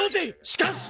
しかし！